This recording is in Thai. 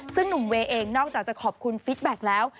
ซึ่งหนุ่มเวย์เองนอกจากจะขอบคุณฟิตแบ็คแล้ว